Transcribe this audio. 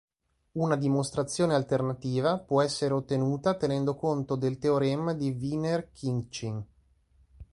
Una dimostrazione alternativa può essere ottenuta tenendo conto del teorema di Wiener-Khinchin.